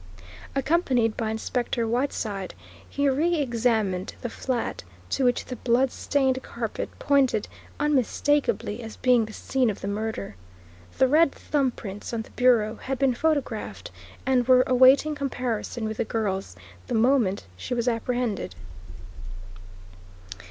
Accompanied by Inspector Whiteside, he reexamined the flat to which the bloodstained carpet pointed unmistakably as being the scene of the murder. The red thumb prints on the bureau had been photographed and were awaiting comparison with the girl's the moment she was apprehended.